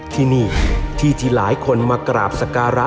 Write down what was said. ที่นี่ที่ที่หลายคนมากราบสการะ